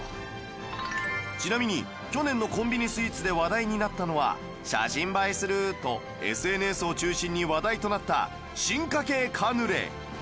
ちなみに去年のコンビニスイーツで話題になったのは「写真映えする！」と ＳＮＳ を中心に話題となった進化系カヌレ